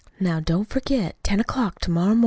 "Now, don't forget ten o'clock to morrow mornin'."